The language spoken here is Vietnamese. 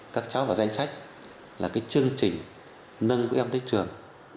các cháu vào danh sách là cái chương trình nâng các em tới trường